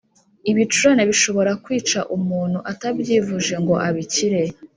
Ibicurane bishobora kwica umuntu utabyivuje ngo abikire